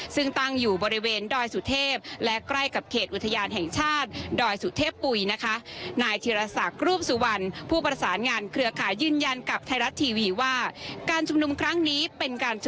ซึ่งตั้งอยู่บริเวณดอยสุเทพ